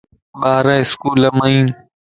ٻارا اسڪول ام ان